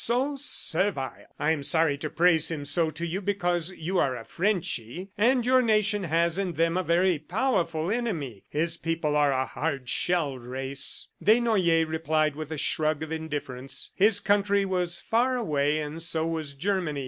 so servile! ... I am sorry to praise him so to you because you are a Frenchy, and your nation has in them a very powerful enemy. His people are a hard shelled race." Desnoyers replied with a shrug of indifference. His country was far away, and so was Germany.